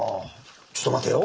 ちょっと待てよ。